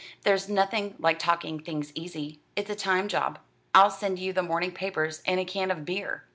'There's nothing like taking things easy. It's a time job. I'll send you the morning papers and a can of beer.'